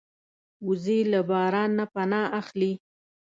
وزې له باران نه پناه اخلي